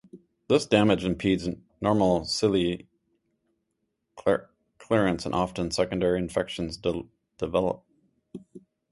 This damage impedes normal ciliary clearance and often secondary infections develop.